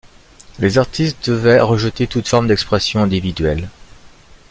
Les artistes devaient rejeter toute forme d'expression individuelle.